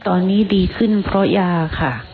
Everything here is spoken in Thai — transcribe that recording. ตอนนี้ดีขึ้นเพราะยาค่ะ